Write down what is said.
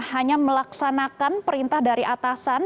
hanya melaksanakan perintah dari atasan